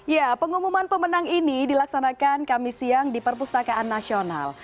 ya pengumuman pemenang ini dilaksanakan kami siang di perpustakaan nasional